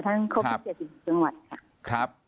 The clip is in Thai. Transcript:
ทั้งครบ๗๐จังหวัดค่ะ